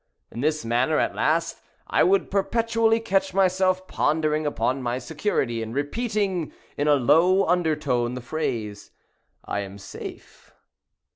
In this manner, at last, I would perpetually catch myself pondering upon my security, and repeating, in a low undertone, the phrase, "I am safe."